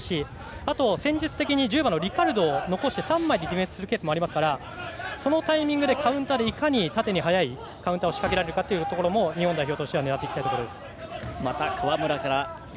あと、戦術的に１０番リカルドを残して３枚でディフェンスするケースもありますからそのタイミングでカウンターでいかに縦に速いカウンターを仕掛けられるかも日本代表としては狙っていきたいです。